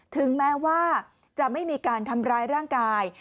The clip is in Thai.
ถึงแม้ว่าจะไม่มีการทำร้ายร่างกาย